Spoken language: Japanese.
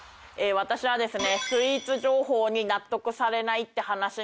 私はですね。